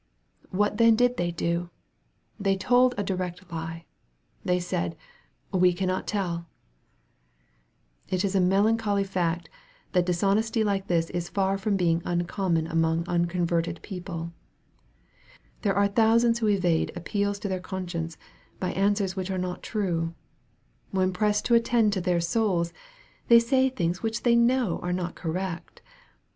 What then did they do ? They told a direct lie. They said, " We cannot tell." It is a melancholy fact, that dishonesty like this is far from being uncommon among unconverted people. There are thousands who evade appeals to their conscience by answers which are not true. When pressed to attend to their souls, they say things which they know are not correct.